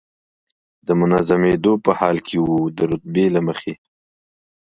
منظمېدو په حال کې و، د رتبې له مخې.